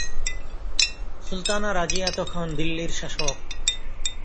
সুলতানা রাজিয়া তখন দিল্লীর শাসক।